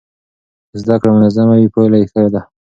که زده کړه منظمه وي پایله یې ښه ده.